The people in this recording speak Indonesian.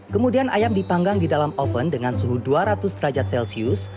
kemudian ayam dipanggang di dalam oven dengan suhu dua ratus derajat celcius